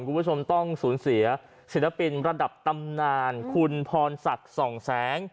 คุณผู้ชมต้องสูญเสียศิลปินระดับตำนานคุณพรศักดิ์ส่องแสง